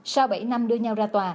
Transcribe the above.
sau bảy năm đưa nhau ra tòa